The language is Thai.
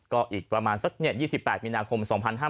ก็อีกประมาณสัก๒๘มีนาคม๒๕๕๙